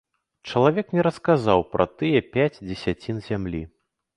Чалавек не расказаў пра тыя пяць дзесяцін зямлі.